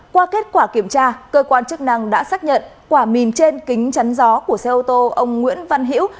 qua kết quả kiểm tra cơ quan chức năng đã xác nhận quả mìn trên kính chắn gió của xe ô tô ông nguyễn văn hiễu